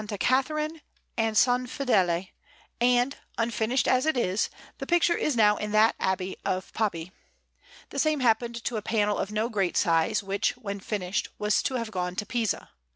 Catharine, and S. Fedele; and, unfinished as it is, the picture is now in that Abbey of Poppi. The same happened to a panel of no great size, which, when finished, was to have gone to Pisa.